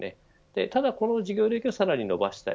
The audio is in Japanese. ただこの事業領域をさらに伸ばしたい。